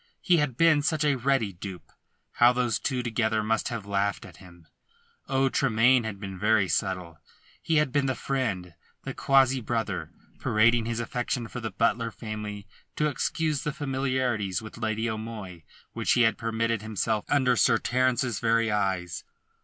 He had been such a ready dupe. How those two together must have laughed at him! Oh, Tremayne had been very subtle! He had been the friend, the quasi brother, parading his affection for the Butler family to excuse the familiarities with Lady O'Moy which he had permitted himself under Sir Terence's very eyes.